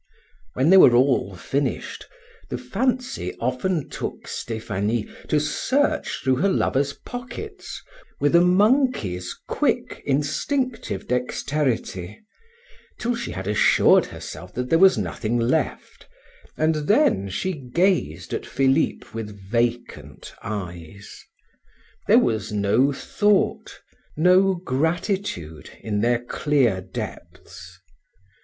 When they were all finished, the fancy often took Stephanie to search through her lover's pockets with a monkey's quick instinctive dexterity, till she had assured herself that there was nothing left, and then she gazed at Philip with vacant eyes; there was no thought, no gratitude in their clear depths.